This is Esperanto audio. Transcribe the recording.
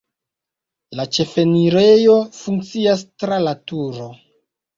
La ĉefenirejo funkcias tra la turo.